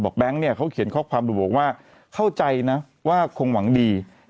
บอกแบงค์เขาเขียนคลอกความบ่อกว่าเข้าใจนะว่าคงหวังดี